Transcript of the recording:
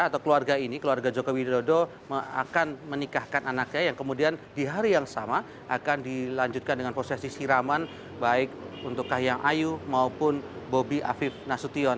atau keluarga ini keluarga joko widodo akan menikahkan anaknya yang kemudian di hari yang sama akan dilanjutkan dengan prosesi siraman baik untuk kahiyang ayu maupun bobi afif nasution